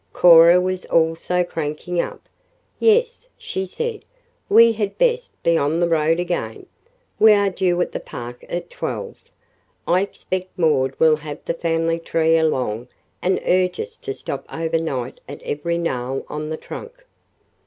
Cora was also cranking up. "Yes," she said, "we had best be on the road again. We are due at the park at twelve. I expect Maud will have the family tree along and urge us to stop overnight at every gnarl on the 'trunk.'"